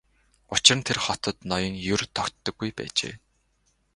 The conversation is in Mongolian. Учир нь тэр хотод ноён ер тогтдоггүй байжээ.